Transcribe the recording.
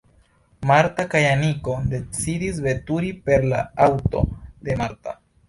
Marta kaj Aniko decidis veturi per la aŭto de Marta.